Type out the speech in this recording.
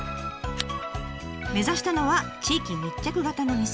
目指したのは地域密着型の店。